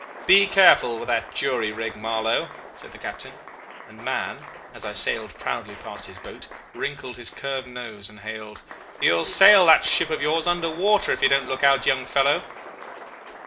'Be careful with that jury rig, Marlow,' said the captain; and Mahon, as I sailed proudly past his boat, wrinkled his curved nose and hailed, 'You will sail that ship of yours under water, if you don't look out, young fellow.